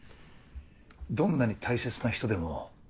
どんなに大切な人でも。